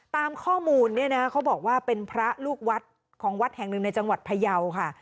ตามข้อมูลเนี่ยนะเขาบอกว่าเป็นพระลูกวัดของวัดแห่งหนึ่งในจังหวัดพยาวค่ะ